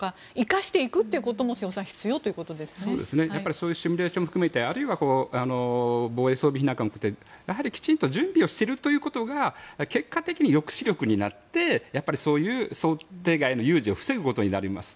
そういうシミュレーションを含めてあるいは防衛装備品なんかもやはりきちんと準備しておくということが結果的に抑止力になってやっぱりそういう想定外の有事を防ぐことになります。